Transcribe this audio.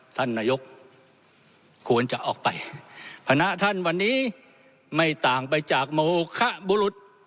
ท่านนายกควรจะออกไปพนักท่านวันนี้ไม่ต่างไปจากโมคะบุรุษ